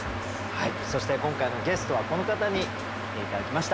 そして今回のゲストはこの方に来て頂きました。